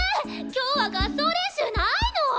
今日は合奏練習ないのぉ！？